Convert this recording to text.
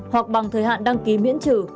hoặc bằng thời hạn đăng ký miễn trừ